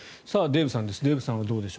デーブさんです。